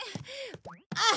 あっ